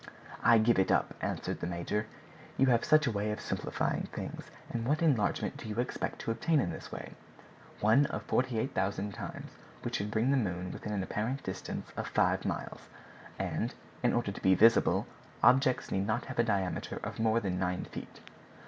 "I give it up," answered the major. "You have such a way of simplifying things. And what enlargement do you expect to obtain in this way?" "One of 48,000 times, which should bring the moon within an apparent distance of five miles; and, in order to be visible, objects need not have a diameter of more than nine feet."